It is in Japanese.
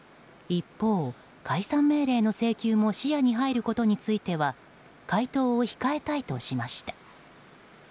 一方、解散命令の請求も視野に入ることについては回答を控えたいとしました。